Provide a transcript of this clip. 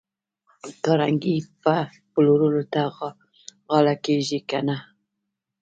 کارنګي به پلورلو ته غاړه کېږدي که نه